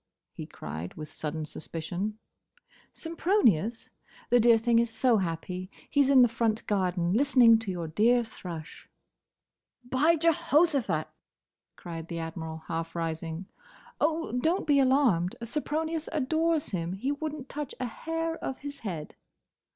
he cried, with sudden suspicion. "Sempronius? The dear thing is so happy. He 's in the front garden, listening to your dear thrush." "By Jehoshaphat!" cried the Admiral, half rising. "Oh, don't be alarmed! Sempronius adores him. He would n't touch a hair of his head."